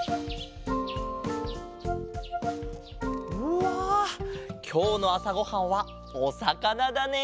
うわきょうのあさごはんはおさかなだね。